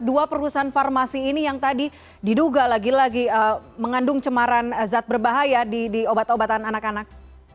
dua perusahaan farmasi ini yang tadi diduga lagi lagi mengandung cemaran zat berbahaya di obat obatan anak anak